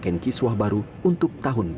ini kiswah dari tahlia